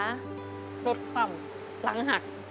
รถคว่ำหลังหัก